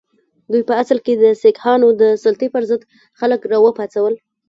دوی په اصل کې د سیکهانو د سلطې پر ضد خلک را وپاڅول.